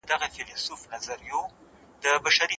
حق ته شا کول د انسان تېروتنه ده.